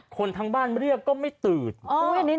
คนทั้งบ้านเรียกก็ไม่ตื่น